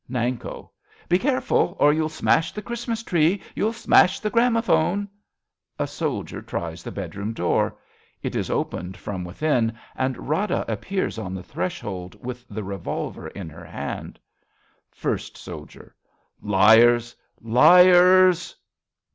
Nanko. Be careful, or you'll smash The Christmas tree ! You'll smash the gramophone ! {A soldier tries the bedroom door. It is opened from within, and Rada appears on the threshold with the revolver in her hand.) First Soldier. Liars ! Liars